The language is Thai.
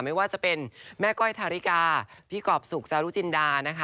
ไม่ว่าจะเป็นแม่ก้อยทาริกาพี่กรอบสุขจารุจินดานะคะ